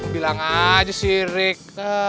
bilang aja sih rick